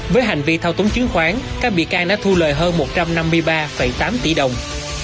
với hành vi thao túng chứng khoán các bị can đã thu lời hơn một trăm năm mươi ba tám tỷ đồng